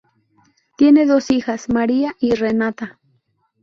Tiene dos hijas, María y Renata.